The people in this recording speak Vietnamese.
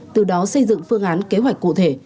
từ đó xây dựng phương án kế hoạch cụ thể